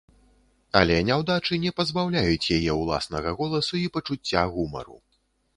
Але няўдачы не пазбаўляюць яе ўласнага голасу і пачуцця гумару.